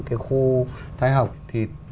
cái khu thái học thì